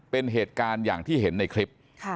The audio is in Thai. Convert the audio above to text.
เป็นเหตุการณ์อย่างที่เห็นในคลิป